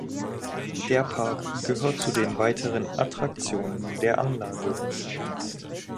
Der Park gehört zu den weiteren Attraktionen der Anlage.